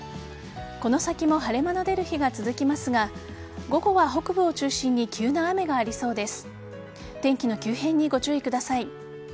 この先も晴れ間の出る日が続きますが午後は北部を中心に急な雨がありそうです。